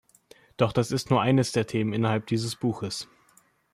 Doch das ist nur eines der Themen innerhalb dieses Buches.